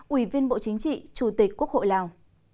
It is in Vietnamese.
ủy viên bộ chính trị chủ tịch quốc hội lào